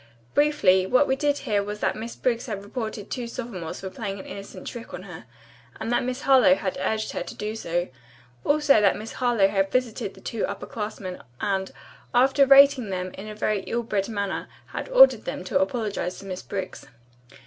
Briefly, what we did hear was that Miss Briggs had reported two sophomores for playing an innocent trick on her, and that Miss Harlowe had urged her to do so. Also that Miss Harlowe had visited the two upper classmen and, after rating them in a very ill bred manner, had ordered them to apologize to Miss Briggs."